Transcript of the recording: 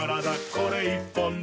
これ１本で」